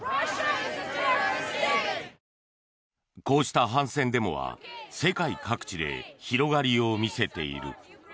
こうした反戦デモは世界各地で広がりを見せている。